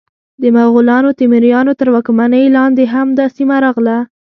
د مغولانو، تیموریانو تر واکمنۍ لاندې هم دا سیمه راغله.